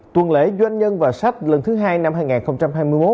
tuần lễ doanh nhân và sách lần thứ hai năm hai nghìn hai mươi một